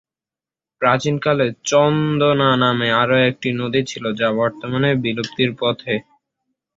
প্রাচীনকালে চন্দনা নামে আরো একটি নদী ছিল যা বর্তমানে বিলুপ্তির পথে।